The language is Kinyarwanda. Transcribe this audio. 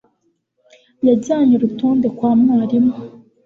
yajyanye urutonde kwa mwarimu